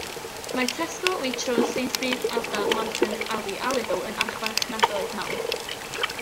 Mae Tesco, Waitrose, Sainsburys, Asda, Morrisons, Aldi a Lidl yn archfarchnadoedd mawr.